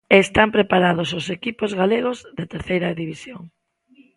E están preparados os equipos galegos de Terceira División.